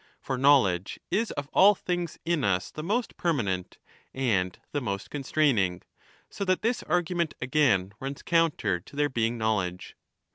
For knowledge is of all things in us the most permanent and the most constraining. So that this argument again runs counter to there being knowledge.